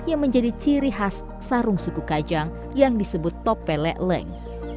yang menjadi ciri khas sarung suku kajang yang disebut topelek leng